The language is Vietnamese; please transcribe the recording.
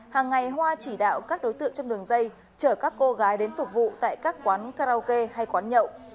hàng ngày hoa chỉ đạo các đối tượng trong đường dây chở các cô gái đến phục vụ tại các quán karaoke hay quán nhậu